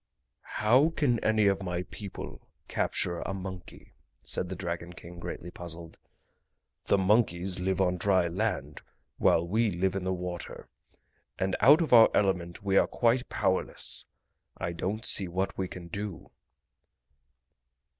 "How can any of my people capture a monkey?" said the Dragon King, greatly puzzled. "The monkeys live on dry land, while we live in the water; and out of our element we are quite powerless! I don't see what we can do!"